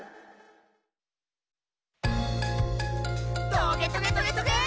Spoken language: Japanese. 「トゲトゲトゲトゲェー！！」